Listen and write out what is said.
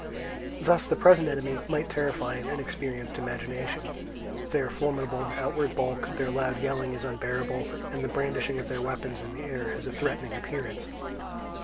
Thus the present enemy might terrify an inexperienced imagination; they are formidable in outward bulk, their loud yelling is unbearable, and the brandishing of their weapons in the air has a threatening appearance.